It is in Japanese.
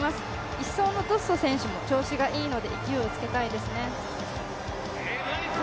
１走のドッソ選手も調子がいいので勢いをつけたいですね。